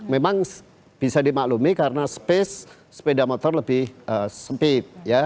memang bisa dimaklumi karena space sepeda motor lebih sempit